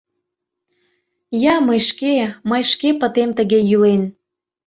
Я мый шке, мый шке пытем тыге йӱлен.